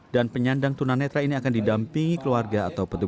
dan penyandang tunanetra ini akan didampingi keluarga atau petunjuk